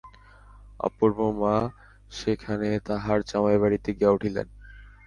অপূর্বর মা সেখানে তাঁহার জামাইবাড়িতে গিয়া উঠিলেন।